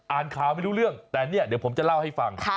อ่านข่าวไม่รู้เรื่องแต่เนี่ยเดี๋ยวผมจะเล่าให้ฟัง